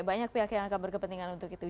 banyak pihak yang akan berkepentingan untuk itu